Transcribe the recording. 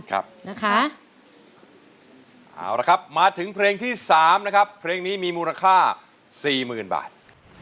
ครับนะคะเอาละครับมาถึงเพลงที่สามนะครับเพลงนี้มีมูลค่าสี่หมื่นบาท